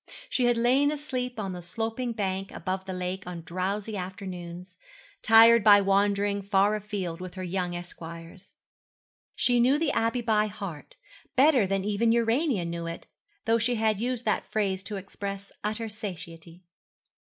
She had lain asleep on the sloping bank above the lake on drowsy afternoons, tired by wandering far a field with her young esquires. She knew the Abbey by heart better than even Urania knew it; though she had used that phrase to express utter satiety.